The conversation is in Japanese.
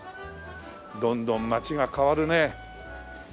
どんどん街が変わるね。